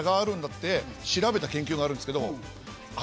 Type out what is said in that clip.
って調べた研究があるんですけど。